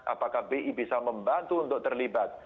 apakah bi bisa membantu untuk terlibat